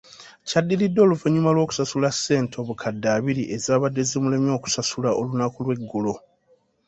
Kyadiridde, oluvannyuma lw'okusasula ssente obukadde abiri ezaabadde zimulemye okusasula olunaku lw'eggulo.